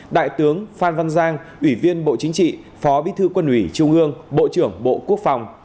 đại tướng phan văn giang ủy viên bộ chính trị phó bí thư quân ủy trung ương bộ trưởng bộ quốc phòng